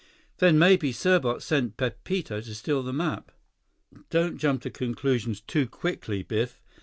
"Then maybe Serbot sent Pepito to steal the map!" "Don't jump to conclusions too quickly, Biff."